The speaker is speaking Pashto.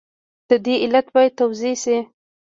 د دې علت باید توضیح شي.